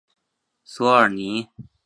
索尔尼。